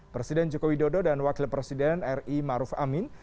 presiden joko widodo dan wakil presiden ri maruf amin